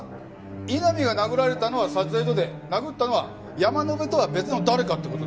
井波が殴られたのは撮影所で殴ったのは山野辺とは別の誰かって事だ。